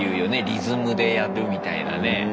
リズムでやるみたいなね。